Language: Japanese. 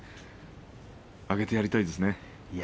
上げてあげたいですね。